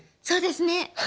そうですね。